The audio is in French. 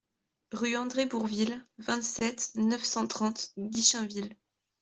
Rue André Bourvil, vingt-sept, neuf cent trente Guichainville